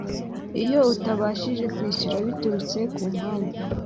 Iyo utabashije kwishyura biturutse ku mpamvu